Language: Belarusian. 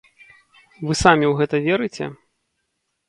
Вы самі ў гэта верыце?